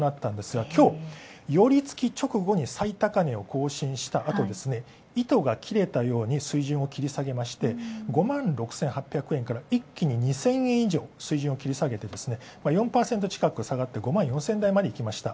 今日、よりつき直後に最高値を更新した後、糸が切れたように水準を切り下げまして５万６８００円から一気に２０００円以上水準を切り下げて、４％近く下がって５４０００台までいきました。